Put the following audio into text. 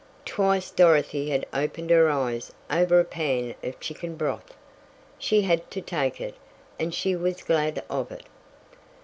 Twice Dorothy had opened her eyes over a pan of chicken broth. She had to take it, and she was glad of it.